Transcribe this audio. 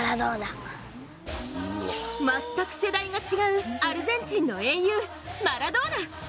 全く世代が違うアルゼンチンの英雄、マラドーナ。